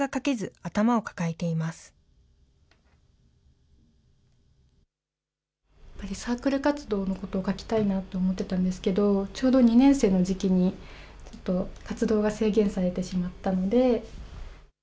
やっぱりサークル活動のことを書きたいなと思っていたんですけれども、ちょうど２年生の時期に活動が制限されてしまったので。